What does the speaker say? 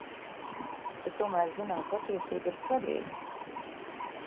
Bet tomēr zināt patiesību ir svarīgi.